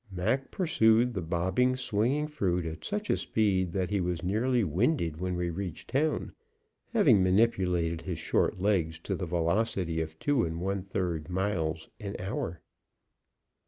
Mac pursued the bobbing, swinging fruit at such a speed that he was nearly winded when we reached town, having manipulated his short legs to the velocity of two and one third miles an hour.